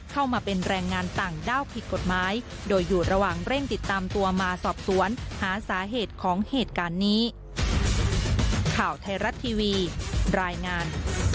เหตุการณ์นี้ข่าวไทยรัฐทีวีรายงาน